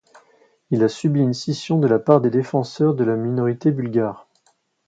Il a subi une scission de la part des défenseurs de la minorité bulgare.